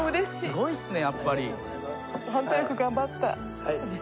すごいっすね。